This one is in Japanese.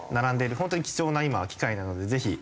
ホントに貴重な今機会なのでぜひ。